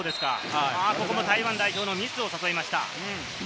ここも台湾代表のミスを誘いました。